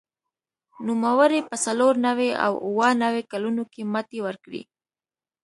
نوموړي په څلور نوي او اووه نوي کلونو کې ماتې ورکړې